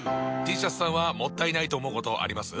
Ｔシャツさんはもったいないと思うことあります？